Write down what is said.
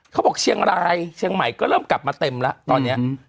เขาบอกเชียงรายเชียงใหม่ก็เริ่มกลับมาเต็มแล้วตอนนี้